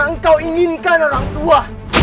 engkau inginkan orang tua